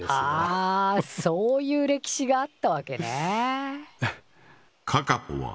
あそういう歴史があったわけね。